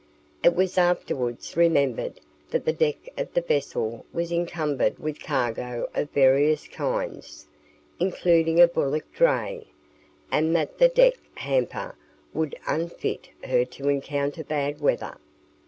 It was afterwards remembered that the deck of the vessel was encumbered with cargo of various kinds, including a bullock dray, and that the deck hamper would unfit her to encounter bad weather.